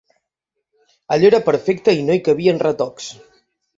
Allò era perfecte i no hi cabien retocs.